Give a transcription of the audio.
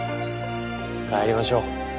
帰りましょう。